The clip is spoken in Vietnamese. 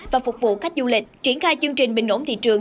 và phục vụ khách du lịch triển khai chương trình bình ổn thị trường